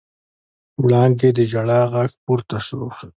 وړانګې د ژړا غږ پورته شو.